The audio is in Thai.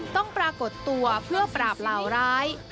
ปรากฏตัวเพื่อปราบเหล่าร้าย